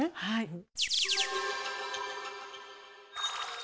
はい。